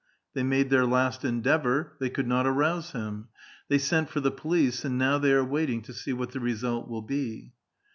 They made their last endeavor ; they could not arouse him. They sent for the police, and now they are waiting to see what the result will be.